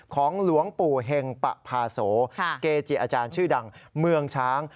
หลวงปู่เห็งปะพาโสเกจิอาจารย์ชื่อดังเมืองช้าง